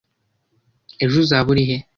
Ejo uzaba urihe?